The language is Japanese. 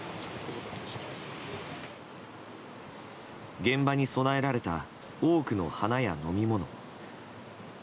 現場に供えられた多くの花や飲み物。